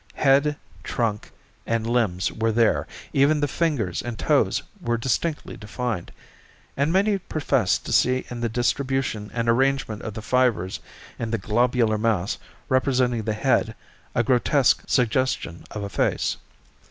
Head, trunk and limbs were there; even the fingers and toes were distinctly defined; and many professed to see in the distribution and arrangement of the fibers in the globular mass representing the head a grotesque suggestion of a face.